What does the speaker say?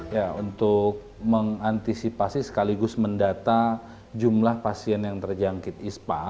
ya untuk mengantisipasi sekaligus mendata jumlah pasien yang terjangkit ispa